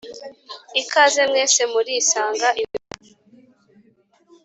ikaze mwese murisanga iwacu